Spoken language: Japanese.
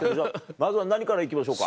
まずは何から行きましょうか？